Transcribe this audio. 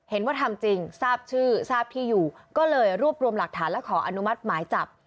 เห็นว่าทำจริงทราบชื่อทราบที่อยู่ก็เลยรวบรวมหลักฐานและขออนุมัติหมายจับ